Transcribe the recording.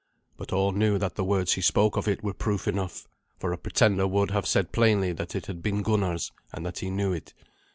But all knew that the words he spoke of it were proof enough, for a pretender would have said plainly that it had been Gunnar's, and that he knew it.